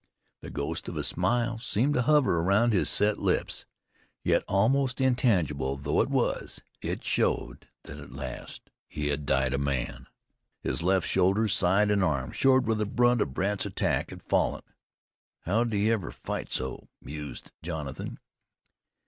The ghost of a smile seemed to hover around his set lips, yet almost intangible though it was, it showed that at last he had died a man. His left shoulder, side and arm showed where the brunt of Brandt's attack had fallen. "How'd he ever fight so?" mused Jonathan.